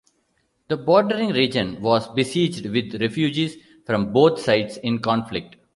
The bordering region was besieged with refugees from both sides in conflict.